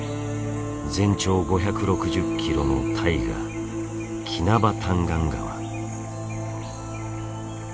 全長５６０キロの大河キナバタンガン川。